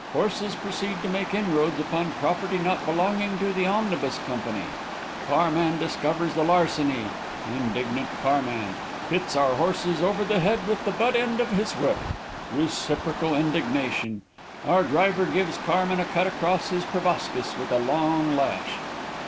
Horses proceed to make inroads upon property not belonging to the omnibus company. Carman discovers the larceny. Indignant carman. Hits our horses over the head with the butt end of his whip. Reciprocal indignation. Our driver gives carman a cut across his proboscis with a long lash.